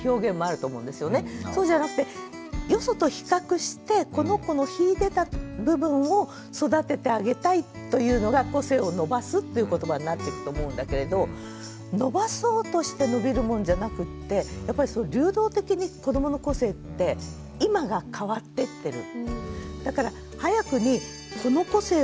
そうじゃなくてよそと比較してこの子の秀でた部分を育ててあげたいというのが個性を伸ばすっていうことばになってくと思うんだけれど伸ばそうとして伸びるものじゃなくってやっぱり流動的に子どもの個性って今が変わってってる。